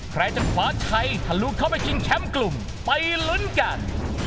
ใครจะคว้าชัยทะลุเข้าไปชิงแชมป์กลุ่มไปลุ้นกัน